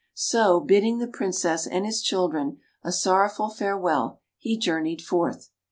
So, bidding the Princess and his children a sorrowful farewell, he journeyed forth.